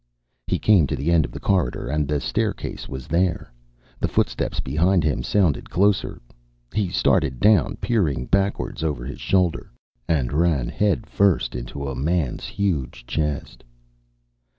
He came to the end of the corridor, and the staircase was there. The footsteps behind him sounded closer. He started down, peering backwards over his shoulder. And ran headfirst into a man's huge chest.